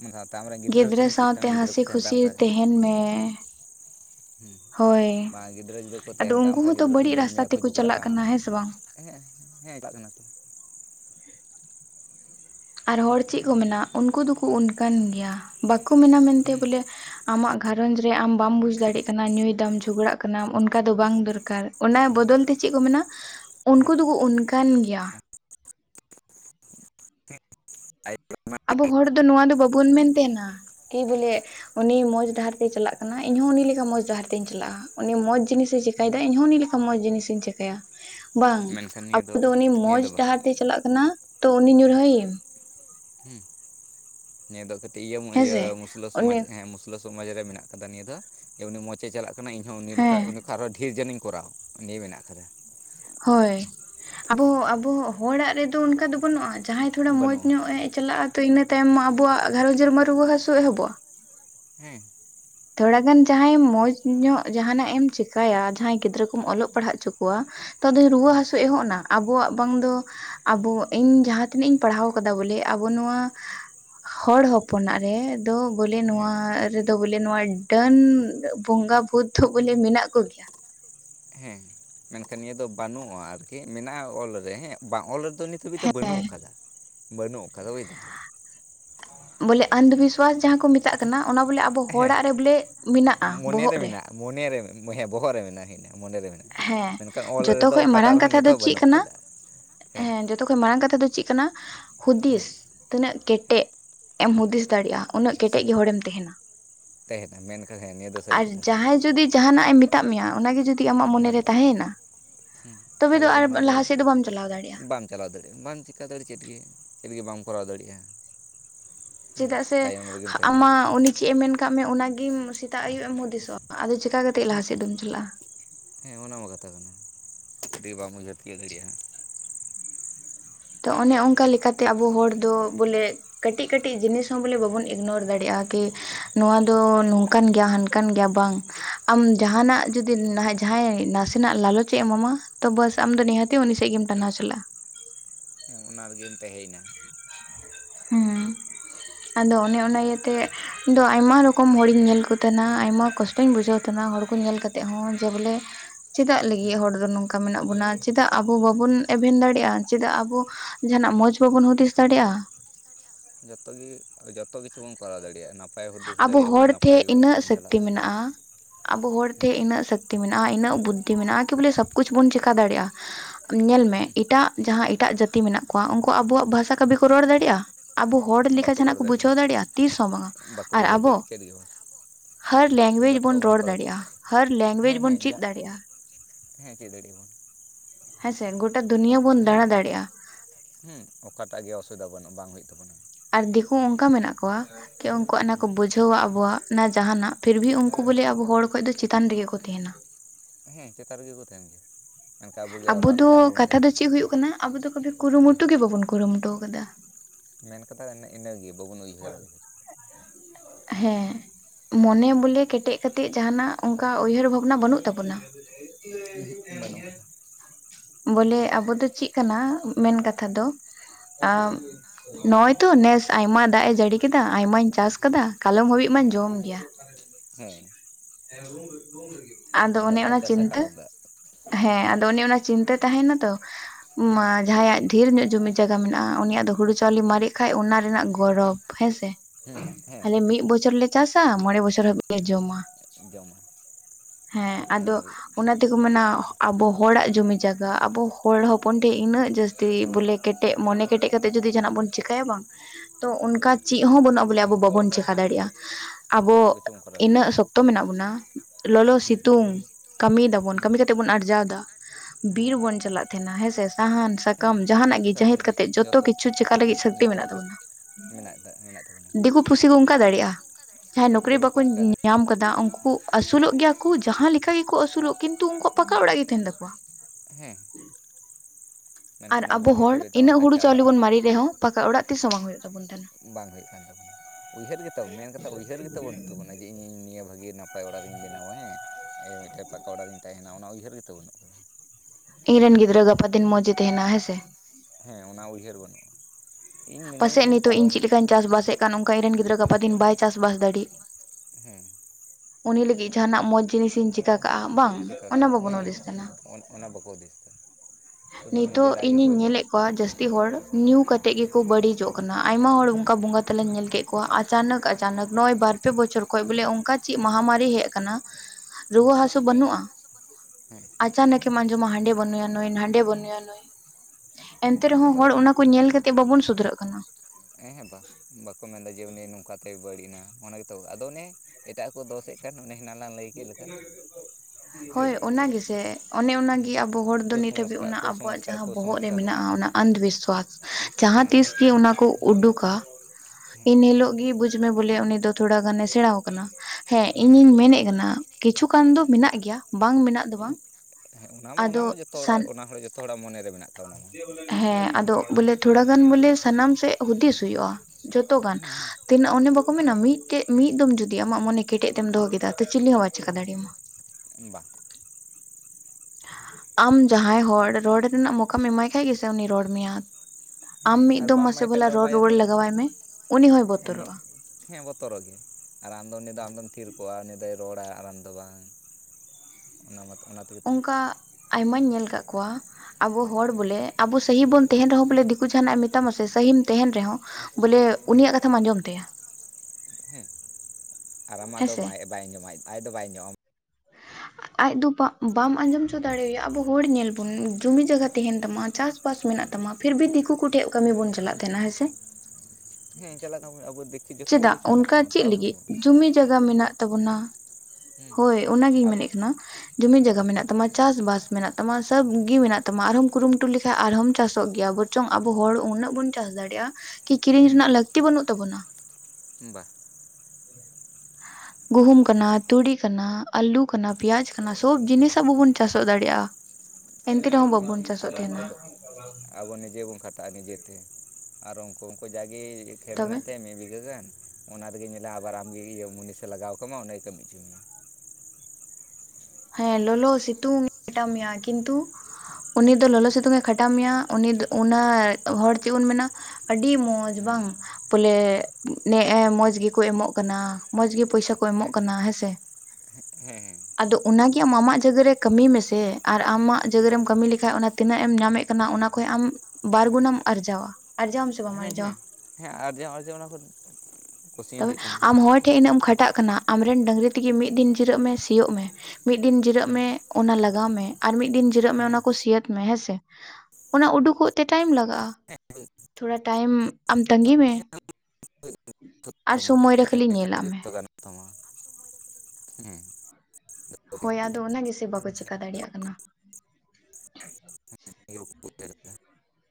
ᱦᱮᱸ ᱛᱟᱢᱨᱮ ᱜᱤᱫᱽᱨᱟᱹ ᱛᱚ ᱪᱟᱢ ᱥᱟᱶᱛᱮ ᱜᱤᱫᱽᱨᱟᱹ ᱠᱚ ᱦᱟᱹᱥᱤ ᱮᱱ ᱛᱟᱢ ᱠᱷᱩᱥᱤ ᱠᱷᱟᱱ ᱛᱟᱦᱮᱱ ᱢᱮ ᱦᱳᱭ ᱵᱟ ᱜᱤᱫᱽᱨᱟᱹ ᱡᱩᱨᱟᱹ ᱨᱮ ᱠᱚ ᱟᱫᱚ ᱛᱟᱦᱮᱱ ᱛᱟᱢ ᱩᱱᱠᱩ ᱠᱷᱟᱡ ᱦᱚᱸᱛᱚ ᱜᱤᱫᱽᱨᱟᱹ ᱠᱚ ᱵᱟᱹᱲᱤᱡ ᱧᱮᱞ ᱢᱮᱭᱟ ᱨᱟᱥᱛᱟ ᱟᱨ ᱠᱚ ᱛᱮᱠᱚ ᱡᱷᱚᱜᱽᱲᱟᱜ ᱪᱟᱞᱟᱜ ᱟᱢ ᱠᱟᱱᱟ ᱦᱮᱸ ᱥᱮ ᱵᱟᱝ ᱦᱮᱸ ᱦᱮᱸ ᱪᱟᱜ ᱠᱟᱱᱟ ᱛᱚ ᱟᱨ ᱦᱚᱲ ᱪᱮᱫ ᱠᱚ ᱢᱮᱱᱟ ᱩᱱᱠᱩ ᱫᱚᱠᱚ ᱚᱱᱠᱟᱱ ᱜᱮᱭᱟ ᱵᱟᱠᱚ ᱢᱮᱱᱟ ᱢᱮᱱᱛᱮ ᱦᱮᱸ ᱵᱚᱞᱮ ᱟᱢᱟᱜ ᱜᱷᱟᱨᱚᱸᱡᱽ ᱨᱮ ᱟᱢ ᱵᱟᱢ ᱵᱩᱡᱽ ᱫᱟᱲᱮᱜ ᱠᱟᱱᱟ ᱧᱩᱭᱮᱫᱟᱢ ᱡᱷᱚᱜᱽᱲᱟᱜ ᱠᱟᱱᱟᱢ ᱚᱱᱠᱟ ᱫᱚ ᱵᱟᱝ ᱫᱚᱨᱠᱟᱨ ᱚᱱᱟ ᱵᱚᱫᱚᱞ ᱛᱮ ᱪᱮᱫ ᱠᱚ ᱢᱮᱱᱟ ᱦᱮᱸ ᱩᱱᱠᱩ ᱫᱚᱠᱚ ᱚᱱᱠᱟᱱ ᱜᱮᱭᱟ᱾ ᱟᱵᱚ ᱦᱚᱲ ᱫᱚ ᱱᱚᱣᱟ ᱫᱚ ᱵᱟᱵᱚᱱ ᱢᱮᱱ ᱛᱟᱦᱮᱱᱟ ᱠᱤ ᱵᱚᱞᱮ ᱩᱱᱤ ᱢᱚᱸᱡᱽ ᱰᱟᱦᱟᱨ ᱛᱮᱭ ᱪᱟᱞᱟᱜ ᱠᱟᱱᱟ ᱤᱧ ᱦᱚᱸ ᱩᱱᱤ ᱞᱮᱠᱟ ᱢᱚᱸᱡᱽ ᱰᱟᱦᱟᱨᱛᱤᱧ ᱪᱟᱞᱟᱜ-ᱟ᱾ ᱩᱱᱤ ᱢᱚᱡᱽ ᱡᱤᱱᱤᱥᱮ ᱪᱮᱠᱟᱹᱭᱟ ᱤᱧᱦᱚᱸ ᱩᱱᱤ ᱞᱮᱠᱟ ᱢᱚᱡᱽ ᱡᱤᱱᱤᱥᱤᱧ ᱪᱮᱤᱠᱟᱹᱭᱟ ᱵᱟᱝ ᱢᱮᱱᱠᱷᱟᱱ ᱱᱤᱭᱟᱹ ᱟᱵᱚ ᱫᱚ ᱩᱱᱤ ᱱᱤᱭᱟᱹ ᱢᱚᱸᱡᱽ ᱫᱚ ᱵᱟᱝ ᱰᱟᱦᱟᱨ ᱛᱮ ᱪᱟᱞᱟᱜ ᱠᱟᱱᱟ ᱛᱚ ᱩᱱᱤ ᱧᱩᱨᱦᱟᱹᱭ ᱮᱢ ᱦᱮᱸ ᱱᱤᱭᱟᱹ ᱫᱚ ᱠᱟᱹᱴᱤᱡ ᱤᱭᱟᱹ ᱤᱭᱟᱹ ᱦᱮᱸᱥᱮ ᱢᱩᱥᱞᱟᱹ ᱩᱱᱤ ᱥᱚᱢᱟᱡᱽ ᱦᱮᱸ ᱥᱚᱢᱟᱡᱽ ᱨᱮ ᱢᱮᱱᱟᱜ ᱠᱟᱫᱟ ᱱᱤᱭᱟᱹ ᱩᱱᱤ ᱢᱚᱡᱮ ᱪᱟᱞᱟᱜ ᱠᱟᱱᱟ ᱤᱧ ᱦᱚ ᱦᱮᱸ ᱟᱨᱚ ᱰᱷᱮᱨ ᱡᱚᱱᱤᱧ ᱠᱚᱨᱟᱣ ᱱᱤᱭᱟᱹ ᱢᱮᱱᱟᱜ ᱟᱠᱟᱫᱟ ᱦᱳᱭ ᱟᱵᱚ ᱟᱵᱚ ᱦᱚᱲᱟᱜ ᱨᱮᱫᱚ ᱚᱱᱠᱟ ᱫᱚ ᱵᱟᱹᱱᱩᱜ-ᱟ᱾ ᱡᱟᱦᱟᱸᱭ ᱛᱷᱚᱲᱟ ᱢᱚᱡᱽ ᱵᱟᱹᱱᱩᱜᱼᱟ ᱧᱚᱜ ᱮ ᱪᱟᱞᱟᱜ-ᱟ ᱛᱚ ᱤᱱᱟᱹ ᱛᱟᱭᱚᱢ ᱢᱟ ᱟᱚ ᱜᱷᱟᱨᱚᱸᱡᱽ ᱨᱮᱢᱟ ᱨᱩᱣᱟᱹ ᱦᱟᱹᱥᱩ ᱮᱦᱚᱵᱚᱜ-ᱟ᱾ ᱦᱮᱸ ᱛᱷᱚᱲᱟ ᱜᱟᱱ ᱡᱟᱦᱟᱸᱭ ᱢᱚᱡᱽ ᱧᱚᱜ ᱡᱟᱦᱟᱸᱟᱱᱟᱜ ᱮᱢ ᱪᱮᱠᱟᱹᱭᱟ ᱡᱟᱦᱟᱸᱭ ᱜᱤᱫᱽᱨᱟᱹ ᱠᱚᱢ ᱚᱞᱚᱜ ᱯᱟᱲᱦᱟᱜ ᱦᱚᱪᱚ ᱠᱚᱣᱟ ᱛᱚ ᱫᱚᱧ ᱨᱩᱣᱟᱹ ᱦᱮᱸ ᱦᱟᱹᱥᱩ ᱮᱦᱚᱵ ᱱᱟ ᱟᱵᱚᱣᱟᱜ ᱵᱟᱝ ᱫᱚ ᱟᱵᱚ ᱤᱧ ᱡᱟᱦᱟᱸ ᱛᱤᱱᱟᱹᱜ ᱤᱧ ᱯᱟᱲᱦᱟᱣ ᱠᱟᱫᱟ ᱵᱚᱞᱮ ᱟᱵᱚ ᱱᱚᱣᱟ ᱦᱚᱲ ᱦᱚᱯᱚᱱᱟᱜ ᱨᱮ ᱫᱚ ᱵᱚᱞᱮ ᱱᱚᱣᱟ ᱦᱮᱸ ᱨᱮᱫᱚ ᱵᱚᱞᱮ ᱵᱚᱞᱮ ᱱᱚᱣᱟ ᱰᱟᱹᱱ ᱵᱚᱸᱜᱟ ᱵᱷᱩᱛ ᱫᱷᱚ ᱵᱚᱞᱮ ᱢᱮᱱᱟᱜ ᱠᱚᱜᱮᱭᱟ᱾ ᱦᱮᱸ ᱢᱮᱱᱠᱷᱟᱱ ᱱᱤᱭᱟᱹ ᱫᱚ ᱵᱟᱹᱱᱩᱜᱼᱟ, ᱟᱨᱠᱤ ᱢᱮᱱᱟᱜᱼᱟ ᱚᱞᱨᱮ ᱦᱮᱸ ᱵᱟᱝ ᱚᱞ ᱨᱮᱫᱚ ᱱᱤᱛ ᱦᱟᱹᱵᱤᱡ ᱫᱚ ᱵᱟᱹᱱᱩᱜ ᱠᱟᱫᱟ᱾ ᱵᱟᱹᱱᱩᱜ ᱟᱠᱟᱫᱟ ᱵᱩᱡ ᱫᱟᱢ᱾ ᱵᱚᱞᱮ ᱟᱸᱱᱫ ᱵᱤᱥᱣᱟᱥ ᱡᱟᱦᱟᱸ ᱠᱚ ᱢᱮᱛᱟᱜ ᱠᱟᱱᱟ ᱚᱱᱟ ᱵᱚᱞᱮ ᱟᱵᱚ ᱦᱮᱸ ᱦᱚᱲᱟᱜ ᱨᱮ ᱵᱚᱞᱮ ᱢᱮᱱᱟᱜᱼᱟ, ᱵᱚᱦᱚᱜ ᱨᱮ᱾ ᱢᱚᱱᱮ ᱨᱮ [unintelligible] ᱵᱚᱦᱚᱜ ᱨᱮ ᱢᱮᱱᱟᱜᱼᱟ, ᱢᱚᱱᱮ ᱨᱮ ᱢᱮᱱᱟᱜᱼᱟ ᱦᱮᱸ ᱢᱮᱱᱠᱷᱟᱱ ᱚᱞ ᱨᱮᱫᱚ ᱡᱚᱛᱚᱠᱷᱚᱡ ᱚᱠᱟᱴᱟᱜ ᱢᱟᱨᱟᱝ ᱨᱮᱦᱚᱸ ᱠᱟᱛᱷᱟ ᱱᱤᱛ ᱫᱚ ᱦᱚᱸ ᱪᱮᱜ ᱵᱟᱹᱱᱩᱜ ᱠᱟᱱᱟ? ᱟᱠᱟᱫᱟ ᱦᱮᱸ ᱡᱚᱛᱚᱠᱷᱚᱱ ᱢᱟᱨᱟᱝ ᱠᱟᱛᱷᱟ ᱫᱚ ᱪᱮᱫ ᱠᱟᱱᱟ? ᱦᱩᱫᱤᱥ ᱦᱮᱸ ᱛᱤᱱᱟᱹᱜ ᱠᱮᱴᱮᱡ ᱮᱢ ᱦᱩᱫᱤᱥ ᱫᱟᱲᱮᱭᱟᱜᱼᱟ, ᱩᱱᱟᱹᱜ ᱠᱮᱴᱮᱡ ᱜᱮ ᱦᱚᱲᱮᱢ ᱛᱟᱦᱮᱱᱟ᱾ ᱛᱟᱦᱮᱱ ᱢᱮᱱᱠᱷᱟᱱ ᱦᱮᱸ ᱱᱤᱭᱟᱹ ᱫᱚ ᱥᱟᱹᱨᱤ ᱟᱨ ᱠᱟᱛᱷᱟ ᱠᱟᱱᱟ ᱡᱟᱦᱟᱸᱭ ᱡᱩᱫᱤ ᱡᱟᱦᱟᱱᱟᱜ ᱮ ᱢᱮᱛᱟᱜ ᱢᱮᱭᱟ, ᱚᱱᱟᱜᱮ ᱡᱩᱫᱤ ᱟᱢᱟᱜ ᱚᱱᱟ ᱢᱚᱱᱮᱨᱮ ᱫᱚ ᱛᱟᱦᱮᱱᱟ ᱦᱮᱸ ᱛᱟᱦᱚᱞᱮ ᱫᱚ ᱚᱱᱟ ᱫᱚ ᱪᱟᱞᱟᱣ ᱫᱟᱲᱮᱭᱟᱜᱼᱟ ᱵᱟᱢ ᱪᱟᱞᱟᱣ ᱫᱟᱲᱮᱭᱟᱜᱼᱟ, ᱵᱟᱸᱪ ᱪᱟᱹ ᱫᱟᱹᱲ ᱪᱟᱹᱰᱷᱤ ᱪᱮᱫᱜᱮ ᱵᱟᱢ ᱠᱚᱨᱟᱣ ᱫᱟᱲᱮᱭᱟᱜᱼᱟ᱾ ᱦᱮᱸ ᱪᱮᱫᱟᱜ ᱥᱮ ᱛᱟᱭᱚᱢ ᱨᱮᱜᱮᱢ ᱛᱟᱦᱮᱱᱟ ᱟᱢᱟᱜ ᱩᱱᱤ ᱪᱮᱜ ᱮᱢ ᱢᱮᱱ ᱠᱟᱜ ᱢᱮᱭᱟ ᱚᱱᱟᱜᱮᱢ ᱥᱮᱛᱟᱜ ᱟᱹᱭᱩᱵ ᱮᱢ ᱦᱩᱫᱤᱥᱚᱜᱼᱟ, ᱟᱫᱚ ᱪᱮᱠᱟ ᱠᱟᱛᱮᱜ ᱞᱟᱦᱟ ᱦᱮᱸ ᱥᱮᱫ ᱫᱚᱢ ᱪᱟᱞᱟᱜᱼᱟ᱾ ᱦᱮᱸ ᱚᱱᱟᱢᱟ ᱠᱟᱛᱷᱟ ᱠᱟᱱᱟ᱾ ᱡᱩᱫᱤ ᱵᱟᱵᱚᱱ ᱩᱭᱦᱟᱹᱣ ᱛᱤᱛᱭᱳᱜ ᱫᱟᱲᱮᱭᱟᱜᱼᱟ᱾ ᱛᱚ ᱚᱱᱮ ᱚᱱᱠᱟ ᱞᱮᱠᱟᱛᱮ ᱟᱵᱚ ᱦᱚᱲ ᱫᱚ ᱵᱚᱞᱮ ᱠᱟᱹᱴᱤᱡ ᱠᱟᱹᱴᱤᱡ ᱡᱤᱱᱤᱥ ᱦᱚᱸ ᱵᱚᱞᱮ ᱵᱟᱵᱚᱱ ᱤᱜᱽᱱᱳᱨ ᱫᱟᱲᱮᱭᱟᱜᱼᱟ᱾ ᱠᱤ ᱱᱚᱣᱟ ᱫᱚ ᱱᱚᱝᱠᱟᱱ ᱜᱮᱭᱟ ᱦᱟᱱᱠᱟᱱ ᱜᱮᱭᱟ ᱵᱟᱝ ᱟᱢ ᱡᱟᱦᱟᱱᱟᱜ ᱡᱩᱫᱤ ᱱᱟ ᱡᱟᱦᱟᱸᱭ ᱱᱟᱥᱮᱱᱟᱜ ᱞᱟᱞᱚᱪᱮ ᱮᱢᱟᱢᱟ ᱛᱚ ᱵᱟᱥ ᱟᱢ ᱫᱚ ᱱᱤᱦᱟᱹᱛ ᱩᱱᱤ ᱥᱮᱫ ᱜᱮᱢ ᱴᱟᱱᱟᱣ ᱪᱟᱞᱟᱜ-ᱟ᱾ ᱚᱱᱟ ᱨᱮ ᱜᱮᱢ ᱛᱟᱦᱮᱸᱭᱮᱱᱟ᱾ ᱦᱩᱸ [inaudible] ᱟᱫᱚ ᱚᱱᱮ ᱚᱱᱟ ᱤᱭᱟᱹᱛᱮ ᱤᱧ ᱫᱚ ᱟᱭᱢᱟ ᱨᱚᱠᱚᱢ ᱦᱚᱲᱤᱧ ᱧᱮᱞ ᱠᱚ ᱛᱟᱦᱮᱱᱟ, ᱟᱭᱢᱟ ᱠᱚᱥᱴᱚᱧ ᱵᱩᱡᱷᱟᱹᱣ ᱛᱟᱦᱮᱱᱟ ᱦᱚᱲ ᱠᱚ ᱧᱮᱞ ᱠᱟᱛᱮᱫ ᱦᱚᱸ ᱡᱮ ᱵᱚᱞᱮ ᱪᱮᱫᱟᱜ ᱦᱮᱸ ᱞᱟᱹᱜᱤᱫ ᱦᱚᱲ ᱫᱚ ᱱᱚᱝᱠᱟ ᱢᱮᱱᱟᱜ ᱵᱚᱱᱟ, ᱪᱮᱫᱟᱜ ᱟᱵᱚ ᱵᱟᱵᱚᱱ ᱮᱵᱷᱮᱱ ᱫᱟᱲᱮᱭᱟᱜᱼᱟ, ᱪᱮᱫᱟᱜ ᱟᱵᱚ ᱡᱟᱦᱟᱱᱟᱜ ᱢᱚᱡᱽ ᱵᱟᱵᱚᱱ ᱦᱩᱫᱤᱥ ᱫᱟᱲᱮᱭᱟᱜᱼᱟ? ᱡᱚᱛᱚ ᱜᱮ ᱡᱚᱛᱚ ᱠᱤᱪᱷᱩ ᱵᱚᱱ ᱠᱚᱨᱟᱣ ᱫᱟᱲᱮᱭᱟᱜᱼᱟ᱾ ᱱᱟᱯ ᱟᱵᱚ ᱦᱚᱲ ᱴᱷᱮᱱ ᱤᱱᱟᱹᱜ ᱥᱟᱹᱠᱛᱤ ᱢᱮᱱᱟᱜᱼᱟ᱾ ᱟᱵᱚ ᱦᱚᱲ ᱴᱷᱮᱱ ᱤᱱᱟᱹᱜ ᱥᱟᱹᱠᱛᱤ ᱢᱮᱱᱟᱜᱼᱟ, ᱤᱱᱟᱹᱜ ᱵᱩᱫᱽᱫᱷᱤ ᱢᱮᱱᱟᱜᱼᱟ, ᱮᱠᱮ ᱵᱚᱞᱮ ᱥᱚᱵ ᱠᱩᱪᱷ ᱵᱚᱱ ᱪᱤᱠᱟ ᱫᱟᱲᱮᱭᱟᱜᱼᱟ᱾ ᱧᱮᱞ ᱢᱮ ᱮᱴᱟᱜ ᱡᱟᱦᱟᱸ ᱮᱴᱟᱜ ᱡᱟᱹᱛᱤ ᱢᱮᱱᱟᱜ ᱠᱚᱣᱟ ᱩᱱᱠᱩ ᱟᱵᱚᱣᱟᱜ ᱵᱷᱟᱥᱟ ᱠᱟᱹᱵᱤ ᱠᱚ ᱨᱚᱲ ᱫᱟᱲᱮᱭᱟᱜᱼᱟ? ᱟᱵᱚ ᱦᱚᱲ ᱞᱮᱠᱟ ᱵᱟᱠᱚ ᱡᱟᱦᱟᱱᱟᱜ ᱨᱚᱲ ᱠᱚ ᱵᱩᱡᱷᱟᱹᱣ ᱫᱟᱲᱮᱭᱟᱜᱼᱟ, ᱛᱤᱥ ᱦᱚᱸ ᱵᱟᱝᱟ᱾ ᱵᱟᱠᱚ ᱟᱨ ᱵᱩᱡᱷᱟᱹᱣ ᱟᱵᱚ ᱫᱟᱲᱮᱜ ᱪᱮᱫ ᱜᱮ ᱵᱟᱝ᱾ ᱦᱟᱨ ᱞᱮᱝᱜᱩᱭᱮᱡ ᱵᱚᱱ ᱨᱚᱲ ᱫᱟᱲᱮᱭᱟᱜᱼᱟ, ᱦᱟᱨ ᱞᱮᱝᱜᱩᱭᱮᱡ ᱦᱮᱸ ᱦᱮᱸ ᱵᱚᱱ ᱡᱟ ᱪᱮᱫ ᱫᱟᱲᱮᱭᱟᱜᱼᱟ᱾ ᱦᱮᱸ ᱪᱮᱫ ᱫᱟᱲᱮᱭᱟᱜ ᱵᱚᱱ ᱦᱮᱸᱥᱮ ᱜᱚᱴᱟ ᱫᱩᱱᱤᱭᱟᱹ ᱵᱚᱱ ᱫᱟᱲᱟ ᱫᱟᱲᱮᱭᱟᱜᱼᱟ᱾ ᱦᱩᱸ ᱚᱠᱟᱴᱟᱜ ᱜᱮ ᱚᱥᱩᱵᱤᱫᱟ ᱵᱟᱹᱱᱩᱜ ᱵᱟᱝ ᱦᱳᱭᱳᱜ ᱛᱟᱵ ᱟᱨ ᱫᱤᱠᱩ ᱚᱱᱠᱟ ᱢᱮᱱᱟᱜ ᱠᱚᱣᱟ ᱠᱤ ᱩᱱᱠᱩ ᱚᱱᱟ ᱠᱚ ᱵᱩᱡᱷᱟᱹᱣᱟ ᱟᱵᱚᱣᱟᱜ ᱚᱱᱟ ᱡᱟᱦᱟᱱᱟᱜ ᱯᱷᱤᱨ ᱵᱷᱤ ᱩᱱᱠᱩ ᱵᱚᱞᱮ ᱟᱵᱚ ᱦᱚᱲ ᱠᱷᱚᱡ ᱫᱚ ᱪᱮᱛᱟᱱ ᱨᱮᱜᱮ ᱠᱚ ᱛᱟᱦᱮᱱᱟ᱾ ᱦᱮᱸ ᱪᱮᱛᱟᱱ ᱨᱮᱜᱮ ᱠᱚ ᱛᱟᱦᱮᱱ, ᱢᱮᱱᱠᱷᱟᱡ ᱟᱵᱚ ᱜᱮ ᱟᱨᱦᱚᱸ ᱛᱟᱭᱚᱢ ᱫᱚ ᱨᱮᱵᱚᱱ ᱠᱟᱛᱷᱟ ᱫᱚ ᱛᱟᱦᱮᱱᱟ᱾ ᱪᱮᱫ ᱦᱩᱭᱩᱜ ᱠᱟᱱᱟ ᱟᱵᱚ ᱫᱚ ᱠᱟᱹᱵᱷᱤ ᱠᱩᱨᱩᱢᱩᱴᱩ ᱜᱮ ᱵᱟᱵᱚᱱ ᱠᱩᱨᱩᱢᱩᱴᱩ ᱠᱟᱫᱟ᱾ ᱢᱮᱱ ᱠᱟᱛᱷᱟ ᱤᱱᱟᱹ-ᱤᱱᱟᱹᱜᱮ ᱵᱟᱵᱚᱱ ᱩᱭᱦᱟᱹᱨᱟ᱾ ᱦᱮᱸ, ᱢᱚᱱᱮ ᱵᱚᱞᱮ ᱠᱮᱴᱮᱜ ᱠᱟᱛᱮᱜ ᱡᱟᱦᱱᱟᱜ ᱚᱱᱠᱟ ᱩᱭᱦᱟᱹᱨ ᱵᱷᱟᱵᱽᱱᱟ ᱵᱟᱹᱱᱩᱜ ᱛᱟᱵᱚᱱᱟ᱾ ᱵᱟᱹᱱᱩᱜ ᱠᱟᱫᱟ ᱵᱚᱞᱮ ᱟᱵᱚ ᱫᱚ ᱪᱮᱜ ᱠᱟᱱᱟ ᱢᱮᱱ ᱠᱟᱛᱷᱟ ᱫᱚ, ᱦᱮᱸ ᱟᱸ ᱱᱚᱜᱼᱚᱭ ᱛᱚ ᱱᱮᱥ ᱟᱭᱢᱟ ᱫᱟᱜᱽ ᱮ ᱡᱟᱹᱲᱤ ᱠᱮᱫᱟ ᱟᱭᱢᱟᱧ ᱪᱟᱥ ᱠᱟᱫᱟ ᱠᱟᱞᱚᱢ ᱦᱟᱹᱵᱤᱜ ᱢᱟᱧ ᱡᱚᱢ ᱜᱮᱭᱟ᱾ ᱠᱮᱫᱟ ᱦᱮᱸ, ᱟᱫᱚ ᱚᱱᱮ ᱚᱱᱟ ᱪᱤᱱᱛᱟᱹ, ᱫᱚ ᱦᱮᱸ ᱟᱫᱚ ᱚᱱᱮ ᱚᱱᱟ ᱪᱤᱱᱛᱟᱹ ᱛᱟᱦᱮᱱᱟ ᱛᱚ᱾ ᱢᱟ ᱡᱟᱦᱟᱸᱭᱟᱜ ᱫᱷᱮᱨ ᱧᱚᱜ ᱡᱚᱢᱤ ᱡᱟᱭᱜᱟ ᱢᱮᱱᱟᱜᱼᱟ ᱩᱱᱤᱭᱟᱜ ᱫᱚ ᱦᱩᱲᱩ ᱪᱟᱣᱞᱮ ᱢᱟᱨᱮᱜ ᱠᱷᱟᱭ ᱚᱱᱟ ᱨᱮᱱᱟᱜ, ᱜᱚᱨᱚᱵ ᱦᱮᱸᱥᱮ ᱦᱮᱸ ᱦᱮᱸ ᱟᱞᱮ ᱢᱤᱫ ᱵᱚᱪᱷᱚᱨ ᱞᱮ ᱪᱟᱥᱟ ᱢᱚᱬᱮ ᱵᱚᱪᱷᱚᱨ ᱦᱟᱹᱵᱤᱜ ᱞᱮ ᱡᱚᱢᱟ᱾ ᱡᱚᱢᱟᱜ, [inaudible] ᱦᱮᱸ ᱟᱫᱚ, ᱚᱱᱟᱛᱮᱠᱚ ᱢᱮᱱᱟ ᱟᱵᱚ ᱦᱚᱲᱟᱜ ᱡᱩᱢᱤ ᱡᱟᱭᱜᱟ ᱟᱵᱚ ᱦᱚᱲ ᱦᱚᱯᱚᱱ ᱴᱷᱮᱱ ᱤᱱᱟᱹᱜ ᱡᱟᱹᱥ, -ᱛᱤ ᱵᱚᱞᱮ ᱠᱮᱴᱮᱜ ᱢᱚᱱᱮ ᱠᱮᱴᱮᱜ ᱠᱟᱛᱮᱜ ᱡᱩᱫᱤ ᱡᱟᱦᱟᱱᱟᱜ ᱵᱚᱱ ᱪᱮᱤᱠᱟᱹᱭᱟ ᱵᱟᱝ, ᱛᱚ ᱚᱱᱠᱟ ᱪᱮᱫ ᱦᱚᱸ ᱵᱟᱹᱱᱩᱜ ᱵᱚᱞᱮ ᱟᱵᱚ ᱵᱟᱵᱚᱱ ᱪᱮᱠᱟ ᱫᱟᱲᱮᱭᱟᱜᱼᱟ ᱟᱵᱚ ᱡᱚᱛᱚ ᱠᱤᱪᱷᱩᱢ ᱤᱱᱟᱹᱜ ᱥᱚᱜ, ᱛᱚ ᱢᱮᱱᱟᱜ ᱵᱚᱱᱟ ᱞᱚᱞᱚ ᱦᱩᱸ ᱥᱤᱛᱩᱝ, ᱠᱟᱹᱢᱤ ᱫᱟᱵᱚᱱ ᱠᱟᱹᱢᱤ ᱠᱟᱛᱮᱜ ᱵᱚᱱ ᱟᱨᱡᱟᱣ ᱫᱟ ᱦᱮᱸ ᱵᱤᱨ ᱵᱚᱱ ᱪᱟᱞᱟᱜ ᱛᱟᱦᱮᱱᱟ ᱦᱮᱸᱥᱮ ᱥᱟᱦᱟᱱ, ᱥᱟᱠᱟᱢ ᱦᱮᱸ ᱡᱟᱦᱟᱱᱟᱜ ᱜᱮ ᱡᱟᱦᱮᱫ ᱠᱟᱛᱮᱫ ᱡᱚᱛᱚ ᱠᱤᱪᱷᱩ ᱪᱮᱠᱟ ᱞᱟᱹᱜᱤᱫ ᱥᱟᱹᱠᱛᱤ ᱢᱮᱱᱟᱜ ᱛᱟᱵᱚᱱᱟ᱾ ᱢᱮᱱᱟᱜ ᱠᱟᱜ ᱢᱮᱱᱟᱜ ᱛᱟᱵᱚᱱᱟ᱾ ᱫᱤᱠᱩ ᱯᱩᱥᱤ ᱠᱚ ᱚᱱᱠᱟ ᱫᱟᱲᱮᱭᱟᱜᱼᱟ ᱡᱟᱦᱟᱸᱭ ᱪᱮᱫ ᱱᱚᱠᱨᱤ ᱜᱮ ᱵᱟᱠᱚ ᱪᱮᱠᱟ ᱫᱟᱲᱮᱭᱟᱜ ᱧᱟᱢ, ᱠᱟᱫᱟ ᱩᱱᱠᱩ ᱟᱹᱥᱩᱞᱚᱜ ᱜᱮᱭᱟ ᱠᱚ ᱡᱟᱦᱟᱸ ᱞᱮᱠᱟ ᱜᱮᱠᱚ ᱟᱹᱥᱩᱞᱚᱜ ᱠᱤᱱᱛᱩ ᱩᱱᱠᱩᱣᱟᱜ ᱯᱟᱠᱟ ᱚᱲᱟᱜ ᱜᱮ ᱛᱟᱦᱮᱱ ᱛᱟᱠᱚᱣᱟ᱾ ᱦᱮᱸ, ᱟᱨ ᱢᱮᱱᱠᱷᱟᱱ ᱟᱵᱚ ᱟᱵᱚᱣᱟᱜ ᱱᱤᱛ ᱦᱚᱲ ᱦᱟᱹᱵᱤᱡ ᱛᱮ ᱤᱱᱟᱹᱜ ᱦᱩᱲᱩ ᱠᱟᱪᱟ ᱪᱟᱣᱞᱮ ᱚᱲᱟᱜ ᱵᱚᱱ ᱢᱟᱨᱤ ᱨᱮᱦᱚᱸ ᱯᱟᱠᱟ ᱚᱲᱟᱜ ᱛᱤᱥ ᱦᱚᱸ ᱵᱟᱝ ᱦᱩᱭᱩᱜ ᱛᱟᱵᱚᱱ ᱛᱟᱦᱮᱱᱟ᱾ ᱵᱟᱝ ᱦᱩᱭᱩᱜ ᱠᱟᱱ ᱛᱟᱵᱚᱱᱟ ᱩᱭᱦᱟᱹᱨ ᱜᱮᱛᱚ ᱢᱮᱱ ᱠᱟᱛᱷᱟ ᱩᱭᱦᱟᱹᱨ ᱜᱮᱛᱚ ᱵᱟᱹᱱᱩᱜ ᱛᱟᱵᱚᱱᱟ ᱡᱮ ᱤᱧᱤᱧ ᱱᱤᱭᱟᱹ ᱵᱷᱟᱹᱜᱤ ᱱᱤᱭᱟᱹ ᱱᱟᱯ, ᱱᱟᱯᱟᱭ ᱚᱲᱟᱜ ᱤᱧ ᱵᱮᱱᱟᱣᱟ ᱦᱮᱸ ᱢᱤᱫᱴᱮᱱ ᱯᱟᱠᱟ ᱚᱰᱟ ᱨᱮᱧ ᱛᱟᱦᱮᱱᱟ ᱚᱱᱟ ᱩᱭᱦᱟᱹᱨ ᱜᱮᱛᱚ ᱵᱟᱹᱱᱩᱜ᱾ ᱠᱟᱫᱟ ᱤᱧ ᱨᱮᱱ ᱜᱤᱫᱽᱨᱟᱹ ᱜᱟᱯᱟ ᱫᱤᱱ ᱢᱚᱡᱽᱮ ᱛᱟᱦᱮᱱᱟ ᱦᱮᱸ ᱥᱮ᱾ ᱦᱮᱸ ᱚᱱᱟ ᱩᱭᱦᱟᱹᱨ ᱵᱟᱹᱱᱩᱜᱼᱟ ᱤᱧ ᱢᱤᱱᱟᱹᱧᱟ ᱤᱧ ᱯᱟᱨᱚᱢ, ᱪᱟᱥ ᱵᱟᱥ ᱮᱜ ᱠᱟᱱ ᱚᱱᱠᱟ ᱤᱧ ᱨᱮᱱ ᱜᱤᱫᱽᱨᱟᱹ ᱜᱟᱯᱟ ᱫᱤᱱ ᱵᱟᱭ ᱪᱟᱥᱵᱟᱥ ᱫᱟᱲᱤᱜ, ᱦᱩᱸ, ᱩᱱᱤ ᱞᱟᱹᱜᱤᱜ ᱡᱟᱦᱟᱸᱱᱟᱜ ᱢᱚᱡᱽ ᱡᱤᱱᱤᱥᱤᱧ ᱪᱮᱠᱟ ᱠᱟᱜᱼᱟ ᱵᱟᱝ ᱚᱱᱟ ᱵᱟᱵᱚᱱ ᱦᱩᱫᱤᱥ ᱠᱟᱱᱟ᱾ ᱚᱱ-ᱚᱱᱟ ᱵᱟᱠᱚ ᱦᱩᱫᱤᱥ ᱫᱟ᱾ ᱱᱤᱛᱚᱜ ᱤᱧᱤᱧ ᱧᱮᱞᱮᱜ ᱠᱚᱣᱟ ᱡᱟᱹᱥ -ᱛᱤ ᱦᱚᱲ ᱧᱩ ᱠᱟᱛᱮᱜ ᱜᱮᱠᱚ ᱵᱟᱹᱲᱤᱡᱚᱜ ᱠᱟᱱᱟ ᱟᱭᱢᱟ ᱦᱚᱲ ᱚᱱᱠᱟ ᱵᱚᱸᱜᱟ ᱛᱟᱞᱟᱧ ᱧᱮᱞ ᱠᱮᱫ ᱠᱚᱣᱟ, ᱟᱪᱟᱱᱟᱠ ᱟᱪᱟᱱᱟᱠ ᱱᱚᱜᱚᱭ ᱵᱟᱨ ᱯᱮ ᱵᱚᱪᱷᱚᱨ ᱠᱷᱚᱡ ᱵᱚᱞᱮ ᱚᱱᱠᱟ ᱪᱮᱫ ᱢᱟᱦᱟᱢᱟᱨᱤ ᱦᱮᱜ ᱠᱟᱱᱟ, ᱨᱩᱣᱟᱹ ᱦᱟᱹᱥᱩ ᱵᱟᱹᱱᱩᱜᱼᱟ, ᱦᱮᱸ ᱦᱮᱸ ᱟᱪᱟᱱᱟᱹᱠ ᱮᱢ ᱟᱸᱡᱚᱢᱟ ᱦᱟᱸᱰᱮ ᱵᱟᱹᱱᱩᱭᱟ ᱱᱩᱭ ᱱᱟᱦ, ᱰᱮ ᱵᱟᱹᱱᱩᱭᱟ ᱱᱩᱭ, ᱮᱱᱛᱮ ᱢᱮᱱ ᱨᱮᱦᱚᱸ ᱠᱟᱛᱷᱟ ᱫᱚ ᱦᱚᱲ ᱠᱟᱱᱟ ᱚᱱᱟ ᱠᱚ ᱧᱮᱞ ᱠᱟᱛᱮ ᱵᱟᱵᱚᱱ ᱥᱩᱫᱷᱨᱟᱹᱜ ᱠᱟᱱᱟ᱾ ᱦᱮᱸ ᱦᱮᱸ ᱵᱟ, ᱵᱟᱠᱚ ᱢᱮᱱᱫᱟ ᱡᱮ ᱩᱱᱤ ᱱᱚᱝᱠᱟᱛᱮᱭ ᱵᱟᱹᱲᱤᱡ ᱱᱟ ᱚᱱᱟ ᱜᱮᱛᱚ ᱟᱫᱚ ᱚᱱᱮ ᱮᱴᱟᱜ ᱠᱚ ᱫᱚᱥ ᱮᱫ, ᱠᱟᱱ ᱚᱱᱮ ᱦᱮᱱᱟᱝ ᱞᱟᱝ ᱞᱟᱹᱭ, ᱠᱮᱫ ᱞᱮᱠᱟ ᱵᱩᱡᱽ ᱦᱳᱭ ᱫᱟᱢ ᱚᱱᱟ ᱜᱮᱥᱮ ᱚᱱᱮ ᱚᱱᱟ, ᱜᱤ ᱦᱮᱸ ᱟᱵᱚ ᱦᱚᱲ ᱫᱚ ᱱᱤᱛ ᱦᱟᱹᱵᱤᱜ ᱠᱩᱥᱚᱝᱥᱠᱟᱨ ᱚᱱᱟ ᱟᱵᱚᱣᱟᱜ ᱠᱩᱥᱚᱝᱥᱠᱟᱨ ᱡᱟᱦᱟᱸ ᱵᱚᱦᱚᱜ ᱨᱮ ᱠᱩᱥᱚᱝᱥᱠᱟᱨ ᱢᱮᱱᱟᱜᱼᱟ ᱢᱮᱱᱟᱜ ᱚᱱᱟ ᱟᱠᱟᱫᱟ ᱚᱱᱫᱷ ᱵᱤᱥᱣᱟᱥ ᱡᱟᱦᱟᱸ ᱦᱮᱸ ᱛᱤᱥ, ᱜᱤ ᱚᱱᱟ ᱠᱩ ᱩᱰᱩᱠᱟ᱾ ᱮᱱ ᱦᱤᱞᱳᱜ ᱜᱤ ᱵᱩᱡᱷ ᱢᱮ ᱵᱚᱞᱮ ᱩᱱᱤ ᱫᱚ ᱛᱷᱚᱲᱟ ᱜᱟᱱᱮ ᱥᱮᱬᱟᱣ ᱠᱟᱱᱟ ᱦᱮᱸ ᱤᱧᱤᱧ ᱢᱮᱱᱮᱫ, ᱠᱟᱱᱟ ᱠᱤᱪᱷᱩ ᱠᱟᱱ ᱫᱚ ᱢᱮᱱᱟᱜ ᱜᱮᱭᱟ ᱵᱟᱝ ᱢᱮᱱᱟᱜ ᱫᱚ ᱵᱟᱝ᱾ ᱦᱮᱸ ᱚᱱᱟ ᱢᱟ ᱚᱱᱟ ᱟᱫᱚ ᱢᱟ ᱡᱚᱛᱚ ᱦᱚᱲᱟᱜ ᱥᱟᱱ ᱚᱱᱟ ᱦᱚᱲ ᱡᱚᱛᱚ ᱦᱚᱲᱟᱜ ᱢᱚᱱᱮᱨᱮ ᱢᱮᱱᱟᱜ ᱟᱠᱟᱣᱟ ᱚᱱᱟ ᱢᱟ᱾ ᱦᱮᱸ ᱟᱫᱚ ᱵᱚᱞᱮ ᱛᱷᱚᱲᱟ ᱜᱟᱱ ᱵᱚᱞᱮ ᱥᱟᱱᱟᱢ ᱥᱮᱫ ᱦᱩᱫᱤᱥ ᱦᱩᱭᱩᱜᱼᱟ ᱡᱷᱚᱛᱚ ᱜᱟᱱ᱾ ᱛᱤᱱᱟᱹᱜ ᱚᱱᱮ ᱵᱟᱠᱚ ᱢᱮᱱᱟ ᱢᱤᱴᱴᱮᱡ ᱢᱤᱫ ᱫᱚᱢ ᱡᱩᱫᱤ ᱟᱢᱟᱜ ᱢᱚᱱᱮ ᱠᱮᱴᱮᱡ ᱛᱮᱢ ᱫᱚᱦᱚ ᱠᱮᱫᱟ ᱛᱚ ᱪᱤᱞᱤ ᱦᱚᱸ ᱵᱟᱭ ᱪᱮᱠᱟ ᱫᱟᱲᱮᱣ ᱟᱢᱟ᱾ ᱵᱟᱝ ᱟᱢ ᱡᱟᱦᱟᱸᱭ ᱦᱚᱲ ᱨᱚᱲ ᱨᱮᱱᱟᱜ ᱢᱚᱠᱟᱢ ᱮᱢᱟᱭ ᱠᱷᱟᱡ ᱜᱮᱥᱮ ᱩᱱᱤᱭ ᱨᱚᱲ ᱢᱮᱭᱟ᱾ ᱟᱢ ᱦᱮᱸ ᱢᱤᱫ ᱟᱨ ᱫᱚᱢ ᱵᱟᱢ ᱢᱟᱥᱮ ᱮᱢᱟᱭ ᱠᱷᱟᱡ ᱵᱷᱟᱞᱟ ᱫᱚ ᱨᱚᱲ ᱵᱟᱭ ᱨᱩᱣᱟᱹᱲ ᱨᱚᱲᱟ ᱞᱟᱜᱟᱣᱟᱭ ᱢᱮ ᱩᱱᱤ ᱦᱚᱸᱭ ᱩᱱᱤ ᱵᱚᱛᱚᱨᱚᱜᱼᱟ᱾ ᱦᱮᱸ ᱵᱚᱛᱚᱨᱚᱜ ᱜᱮ, ᱟᱨ ᱟᱢ ᱫᱚ ᱩᱱᱤ ᱫᱚ ᱟᱢ ᱫᱚᱢ ᱛᱷᱤᱨ ᱠᱚᱜᱼᱟ ᱩᱱᱤ ᱫᱚᱭ ᱨᱚᱲᱟ ᱟᱨ ᱟᱢ ᱫᱚ ᱵᱟᱝ᱾ [inaudible] ᱚᱱᱟ ᱢᱟᱛᱚ ᱚᱱᱟ ᱛᱤᱜᱤ ᱚᱝᱠᱟ ᱟᱭᱢᱟᱧ ᱧᱮᱞ ᱠᱟᱜ ᱠᱚᱣᱟ᱾ ᱟᱵᱚ ᱦᱚᱲ ᱵᱚᱞᱮ ᱟᱵᱚ ᱥᱟᱦᱤ ᱵᱚᱱ ᱛᱟᱦᱮᱸᱱ ᱨᱮᱦᱚᱸ ᱵᱚᱞᱮ ᱫᱤᱠᱩ ᱡᱟᱦᱟᱱᱟᱜ ᱢᱮᱛᱟᱢᱟ ᱥᱮ ᱥᱟᱹᱦᱤᱢ ᱛᱮᱦᱮᱸᱱ ᱨᱮᱦᱚᱸ ᱵᱚᱞᱮ ᱦᱮᱸ ᱩᱱᱤᱭᱟᱜ ᱠᱟᱛᱷᱟᱢ ᱟᱸᱡᱚᱢ ᱛᱟᱭᱟ᱾ ᱦᱮᱸ ᱟᱨ ᱟᱢᱟᱜ ᱫᱚ ᱦᱮᱸᱥᱮ ᱵᱟᱭ ᱵᱟᱭ ᱟᱸᱡᱚᱢᱟ ᱟᱡ ᱫᱚ ᱵᱟᱭ ᱟᱸᱡᱚᱢ᱾ ᱟᱡ ᱫᱚ ᱵᱟ ᱵᱟᱢ ᱟᱸᱡᱚᱢ ᱦᱚᱪᱚ ᱫᱟᱲᱮᱣᱟᱭᱟ ᱟᱵᱚ ᱦᱚᱲ ᱧᱮᱞ ᱵᱚᱱ ᱡᱩᱢᱤ ᱡᱟᱜᱟ ᱛᱮᱦᱮᱸᱱ ᱛᱟᱢᱟ ᱪᱟᱥ ᱵᱟᱥ ᱢᱮᱱᱟᱜ ᱛᱟᱢᱟ ᱯᱷᱤᱨ ᱵᱷᱤ ᱫᱤᱠᱩ ᱠᱩᱴᱷᱮᱡ ᱠᱟᱹᱢᱤ ᱵᱚᱱ ᱪᱟᱞᱟᱜ ᱛᱮᱦᱮᱸᱱᱟ ᱦᱮᱸᱥᱮ᱾ ᱦᱮᱸ ᱪᱟᱞᱟᱜ ᱠᱟᱱ ᱜᱮᱭᱟ ᱟᱵᱚ ᱫᱤᱠ ᱪᱮᱫᱟᱜ ᱚᱱᱠᱟ ᱪᱮᱫ ᱞᱤᱜᱤᱫ? ᱡᱩᱢᱤ ᱡᱟᱜᱟ ᱢᱮᱱᱟᱜ ᱛᱟᱵᱚᱱᱟ, ᱦᱮᱸ ᱦᱳᱭ ᱚᱱᱟᱜᱤᱧ ᱟᱨ ᱢᱮᱱᱮᱫ ᱠᱟᱱᱟ᱾ ᱡᱩᱢᱤ ᱡᱟᱜᱟ ᱢᱮᱱᱟᱜ ᱛᱟᱢᱟ ᱪᱟᱥᱵᱟᱥ ᱢᱮᱱᱟᱜ ᱛᱟᱢᱟ ᱥᱟᱹᱵᱜᱤ ᱢᱮᱱᱟᱜ ᱛᱟᱢᱟ ᱟᱨᱦᱚᱢ ᱠᱩᱨᱩᱢᱩᱴᱩ ᱞᱤᱠᱷᱟᱡ ᱟᱨᱦᱚᱢ ᱪᱟᱥᱚᱜ ᱜᱮᱭᱟ ᱵᱟᱹᱴ ᱪᱚᱝ ᱟᱵᱚ ᱦᱚᱲ ᱩᱱᱟᱹᱜ ᱵᱚᱱ ᱪᱟᱥ ᱫᱟᱲᱮᱜᱼᱟ ᱠᱤ ᱠᱤᱨᱤᱧ ᱦᱮᱸ ᱨᱮᱱᱟᱜ ᱞᱟᱹᱠᱛᱤ ᱵᱟᱹᱱᱩᱜ ᱛᱟᱵᱚᱱᱟ ᱵᱟ ᱜᱩᱦᱩᱢ ᱠᱟᱱᱟ ᱛᱩᱲᱤ ᱠᱟᱱᱟ ᱟᱹᱞᱩ ᱠᱟᱱᱟ ᱯᱤᱭᱟᱡᱽ ᱠᱟᱱᱟ ᱥᱚᱵ ᱡᱤᱱᱤᱥ ᱟᱵᱚ ᱵᱚᱱ ᱪᱟᱥᱚᱜ ᱫᱟᱲᱮᱜᱼᱟ᱾ ᱮᱱᱛᱮ ᱨᱮᱦᱚ ᱵᱟᱵᱩᱱ ᱪᱟᱥ। ᱟᱨ ᱩᱱᱠᱩ ᱫᱚ ᱟᱵᱚ ᱱᱤᱡᱮ ᱵᱚᱱ ᱠᱷᱟᱴᱟᱜᱼᱟ ᱱᱤᱡᱮᱛᱮ ᱟᱨ ᱩᱱᱠᱩ ᱩᱱᱠᱩ ᱡᱟᱜᱤ ᱠᱷᱮᱛ ᱛᱚᱵᱮ ᱢᱮᱱᱟᱜ ᱛᱟᱭᱟ ᱢᱤᱫ ᱵᱤᱜᱷᱟᱹ ᱜᱟᱱ ᱚᱱᱟ ᱨᱮᱜᱮ ᱧᱮᱞᱟ ᱟᱵᱟᱨ ᱟᱢᱜᱮ ᱤᱭᱟᱹ ᱢᱩᱱᱤᱥᱮ ᱞᱟᱜᱟᱣ ᱠᱟᱢᱟ ᱚᱸᱰᱮᱭ ᱠᱟᱹᱢᱤ ᱦᱚᱪᱚ ᱢᱮᱭᱟ᱾ ᱦᱮᱸ ᱞᱚᱞᱚ ᱥᱤᱛᱩᱝ ᱠᱷᱟᱴᱟᱣ ᱢᱤᱭᱟ ᱠᱤᱱᱛᱩ ᱩᱱᱤ ᱫᱚ ᱞᱚᱞᱚ ᱥᱤᱛᱩᱝ ᱮ ᱠᱷᱟᱴᱟᱣ ᱢᱮᱭᱟ ᱩᱱᱤ ᱫᱚ ᱚᱱᱟ ᱦᱚᱲ ᱪᱮᱫ ᱵᱚᱱ ᱢᱮᱱᱟ ᱟᱹᱰᱤ ᱢᱚᱡᱽ ᱵᱟᱝ᱾ ᱵᱚᱞᱮ ᱱᱮᱜ ᱮ ᱢᱚᱸᱡᱽ ᱜᱮᱠᱚ ᱮᱢᱚᱜ ᱠᱟᱱᱟ ᱢᱚᱸᱡᱽ ᱜᱮ ᱯᱚᱭᱥᱟ ᱠᱚ ᱮᱢᱚᱜ ᱦᱮᱸ ᱠᱟᱱᱟ ᱦᱮᱸᱥᱮ᱾ ᱦᱮᱸ ᱦᱮᱸ ᱦᱮᱸ ᱚᱱᱟᱜᱤ ᱟᱢ ᱟᱢᱟᱜ ᱡᱟᱜᱟ ᱨᱮ ᱠᱟᱹᱢᱤ ᱢᱮᱥᱮ ᱟᱨ ᱟᱢᱟᱜ ᱡᱟᱭᱜᱟ ᱨᱮᱢ ᱠᱟᱹᱢᱤ ᱞᱮᱠᱷᱟᱡ ᱚᱱᱟ ᱛᱤᱱᱟᱹᱜ ᱮᱢ ᱧᱟᱢᱮᱫ ᱠᱟᱱᱟ ᱚᱱᱟ ᱠᱷᱚᱡ ᱟᱢ ᱵᱟᱨ ᱜᱩᱱᱟᱢ ᱟᱨᱡᱟᱣᱼᱟ ᱟᱨᱡᱟᱣ ᱟᱢ ᱥᱮ ᱵᱟᱢ ᱦᱮᱸ ᱟᱨᱡᱟᱣᱼᱟ? ᱦᱮᱸ ᱦᱮᱸ ᱟᱨᱡᱟᱣ ᱟᱨᱡᱟᱣ ᱚᱱᱟ ᱠᱚ, ᱠᱩᱥᱭᱟᱹ ᱦᱩᱭᱩᱜ ᱛᱟᱢᱟ᱾ ᱠᱮ ᱤᱱᱟᱹᱜ ᱮᱢ ᱠᱷᱟᱴᱟᱜ ᱠᱟᱱᱟ ᱟᱢᱨᱮᱱ ᱰᱟᱹᱝᱨᱤ ᱛᱮᱜᱮ ᱢᱤᱫ ᱫᱤᱱ ᱡᱤᱨᱟᱹᱜ ᱢᱮ ᱥᱤᱭᱳᱜ ᱢᱮ ᱢᱤᱫ ᱫᱤᱱ ᱡᱤᱨᱟᱹᱜ ᱦᱮᱸ ᱢᱮ᱾ ᱚᱱᱟ ᱞᱟᱜᱟᱣ ᱢᱮ ᱟᱨ ᱢᱤᱫ ᱫᱤᱱ ᱡᱤᱨᱟᱹᱜ ᱢᱮ ᱚᱱᱟ ᱦᱮᱸ ᱠᱚ ᱥᱤᱭᱟᱹᱛ ᱢᱮ ᱦᱮᱸᱥᱮ᱾ ᱚᱱᱟ ᱩᱰᱩᱠᱚᱜ ᱛᱮ ᱴᱟᱭᱤᱢ ᱞᱟᱜᱟᱜᱼᱟ, ᱛᱷᱚᱲᱟ ᱴᱟᱭᱤᱢ ᱟᱢ ᱛᱟᱹᱝᱜᱤ ᱢᱮ᱾ ᱟᱨ ᱛᱟᱢᱟ ᱥᱚᱢᱚᱭ ᱨᱮ ᱠᱷᱟᱹᱞᱤ ᱛᱟᱺᱜᱤ ᱞᱮᱠᱷᱟᱱ ᱧᱮᱞᱟᱜ ᱢᱮ᱾ ᱡᱚᱛᱚ ᱜᱟᱱᱚᱜ ᱛᱟᱢᱟ᱾ ᱦᱮᱸ। ᱦᱳᱭ ᱟᱫᱚ ᱚᱱᱟ ᱜᱮᱥᱮ ᱵᱟᱠᱚ ᱪᱮᱠᱟ ᱫᱟᱲᱮᱭᱟᱜ ᱠᱟᱱᱟ ᱾